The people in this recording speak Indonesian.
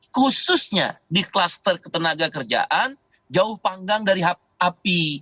khususnya di kluster ketenaga kerjaan jauh panggang dari api